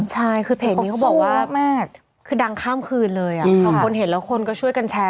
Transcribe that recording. ใช่คือเพจนี้เขาบอกว่าคือดังข้ามคืนเลยพอคนเห็นแล้วคนก็ช่วยกันแชร์